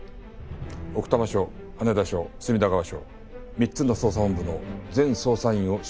奥多摩署羽田署隅田川署３つの捜査本部の全捜査員を集合させてくれ。